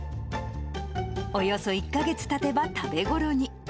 およそ１か月たてば食べごろに。